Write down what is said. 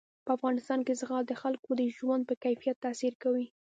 په افغانستان کې زغال د خلکو د ژوند په کیفیت تاثیر کوي.